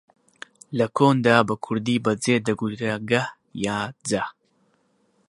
لە کۆندا بە کوردی بە جێ دەگوترا گەه یا جەه